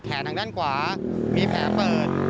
ทางด้านขวามีแผลเปิด